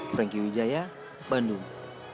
franky wijaya bandung